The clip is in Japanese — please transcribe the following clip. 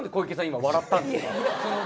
今笑ったんですか？